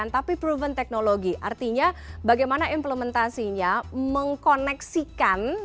tapi proven teknologi artinya bagaimana implementasinya mengkoneksikan